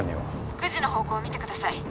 ９時の方向見てください